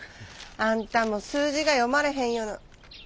あんたも数字が読まれへんような。